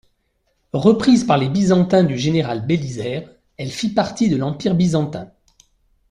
Reprise par les Byzantins du général Bélisaire, elle fit partie de l'Empire byzantin.